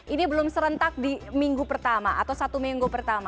ini belum serentak di minggu pertama atau satu minggu pertama